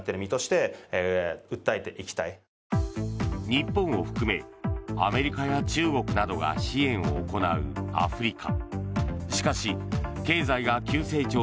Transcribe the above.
日本を含め、アメリカや中国などが支援を行うアフリカ。